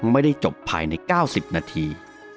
ไม่ได้จบภายใน๙๐นาที